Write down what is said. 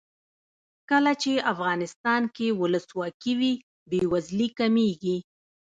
کله چې افغانستان کې ولسواکي وي بې وزلي کمیږي.